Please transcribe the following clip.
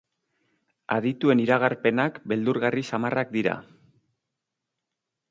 Adituen iragarpenak beldurgarri samarrak dira.